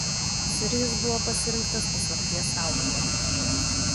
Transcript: Sirijus buvo pasirinktas paslapties saugotoju.